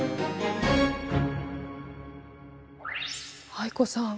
藍子さん